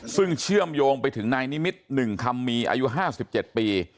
ซึ่งเชื่อมโยงไปถึงนายนิมิตร๑คำมีอายุ๕๗ปี